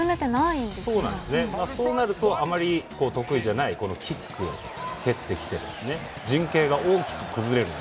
そうなると、あまり得意じゃないキック、蹴ってきて陣形が大きく崩れる。